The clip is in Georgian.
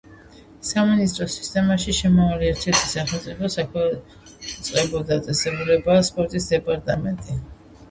სამინისტროს სისტემაში შემავალი ერთ-ერთი სახელმწიფო საქვეუწყებო დაწესებულებაა სპორტის დეპარტამენტი.